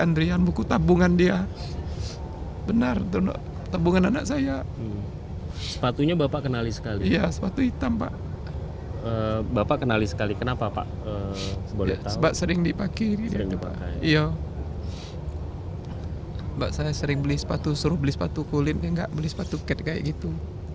dia gak beli sepatu kit kayak gitu